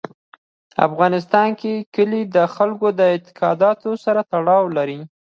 په افغانستان کې کلي د خلکو د اعتقاداتو سره تړاو لري.